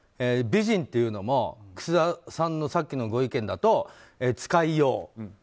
美人っていうのも楠田さんのさっきのご意見だと使いよう。